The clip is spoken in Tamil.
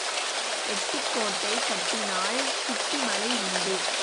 எட்டிக் கோட்டை கட்டினால் கிட்டி மழை உண்டு.